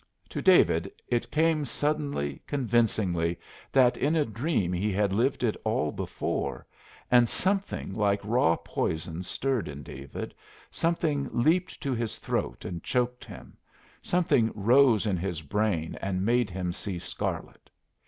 To David it came suddenly, convincingly, that in a dream he had lived it all before, and something like raw poison stirred in David, something leaped to his throat and choked him, something rose in his brain and made him see scarlet.